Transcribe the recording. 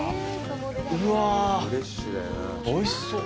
うわおいしそう。